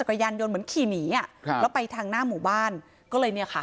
กระยานยนต์เหมือนขี่หนีอ่ะครับแล้วไปทางหน้าหมู่บ้านก็เลยเนี่ยค่ะ